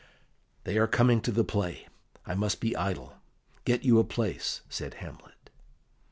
"They are coming to the play; I must be idle. Get you a place," said Hamlet.